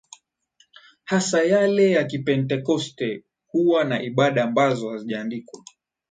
hasa yale ya Kipentekoste huwa na ibada ambazo hazijaandikwa